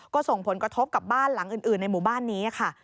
ก็ส่งผลกระทบกับบ้านหลังอื่นในหมู่บ้านนี้ค่ะ